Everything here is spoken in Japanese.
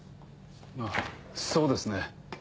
あぁそうですね。